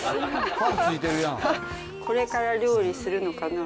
これから料理するのかな？